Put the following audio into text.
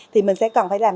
thì mình sẽ còn phải làm